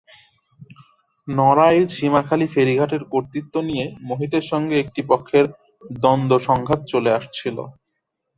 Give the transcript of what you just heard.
নড়াইল সীমাখালি ফেরিঘাটের কর্তৃত্ব নিয়ে মোহিতের সঙ্গে একটি পক্ষের দ্বন্দ্ব-সংঘাত চলে আসছিল।